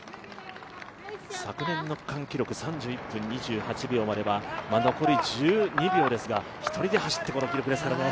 昨年の区間記録３１分２８秒までは残り１２秒ですが、１人で走ってこの記録ですからね。